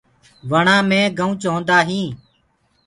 وڻآ مي گنُوچ هوندآ هينٚ۔